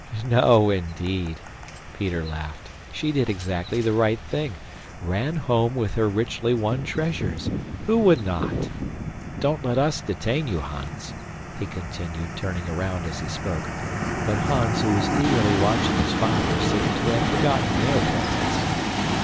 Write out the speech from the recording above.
"No, indeed" Peter laughed "she did exactly the right thing ran home with her richly won treasures. Who would not? Don't let us detain you, Hans," he continued, turning around as he spoke, but Hans, who was eagerly watching his father, seemed to have forgotten their presence.